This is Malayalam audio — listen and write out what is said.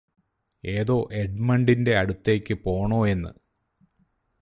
അതോ എഡ്മണ്ടിന്റെ അടുത്തേയ്ക് പോണോയെന്ന്